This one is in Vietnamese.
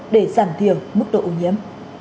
để giảm thiểu mức độ ô nhiễm